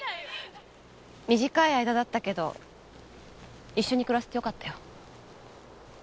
短い間だったけど一緒に暮らせてよかったよ。